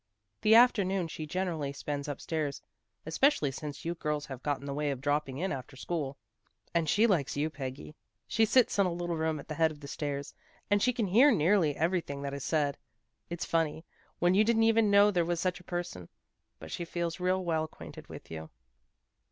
The afternoon she generally spends upstairs, especially since you girls have got in the way of dropping in after school. And she likes you, Peggy. She sits in a little room at the head of the stairs, and she can hear nearly everything that is said. It's funny, when you didn't even know there was such a person, but she feels real well acquainted with you."